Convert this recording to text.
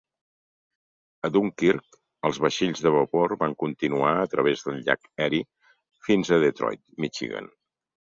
A Dunkirk, els vaixells de vapor van continuar a través del llac Erie fins a Detroit, Michigan.